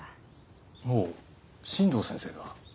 ほう新道先生が？